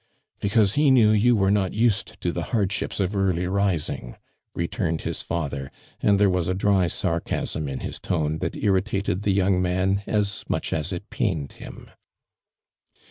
" Because he knew you were not used to the hardships of early rising," returned his father, and there was a dry sarcasm in his tone that irritated the young man as much as it pained him.